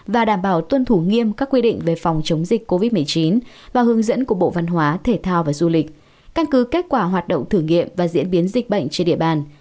và đảm bảo tuân thủ nghiêm các quy định về phòng chống dịch covid một mươi chín và hướng dẫn của bộ văn hóa thể thao và du lịch căn cứ kết quả hoạt động thử nghiệm và diễn biến dịch bệnh trên địa bàn